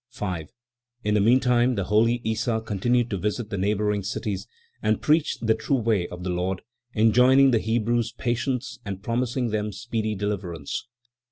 5. In the meantime, the holy Issa continued to visit the neighboring cities and preach the true way of the Lord, enjoining the Hebrews' patience and promising them speedy deliverance.